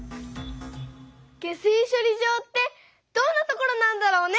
下水しょり場ってどんなところなんだろうね？